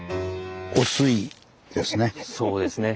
「おすい」ですね。